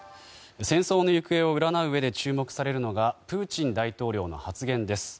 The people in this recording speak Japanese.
戦争の行方を占ううえで注目されるのがプーチン大統領の発言です。